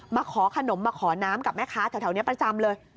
มาขอขนมมาขอน้ำกับแม่ค้าแถวนี้ประจำเลย